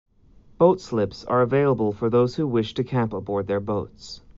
Boat slips are available for those who wish to camp aboard their boats.